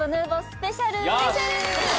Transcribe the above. スペシャル。